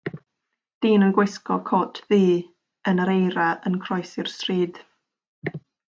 Dyn yn gwisgo cot ddu yn yr eira yn croesi'r stryd.